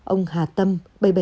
ông hà tân